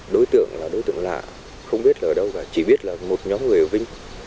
đối tượng là đối tượng lạ không biết ở đâu cả chỉ biết là một nhóm người vinh